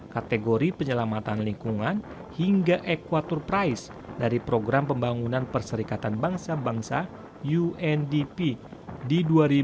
kategori penyelamatan lingkungan hingga ekwatur price dari program pembangunan perserikatan bangsa bangsa undp di dua ribu dua puluh